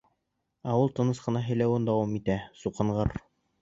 Ә ул тыныс ҡына һөйләүен дауам итә, суҡынғыр.